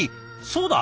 「そうだ！